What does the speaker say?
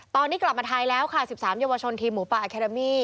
ตอนนี้กลับมาไทยแล้วค่ะ๑๓เยาวชนทีมหมูป่าอาเครามี่